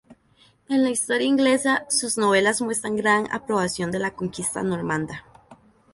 En la historia inglesa, sus novelas muestran gran aprobación de la conquista normanda.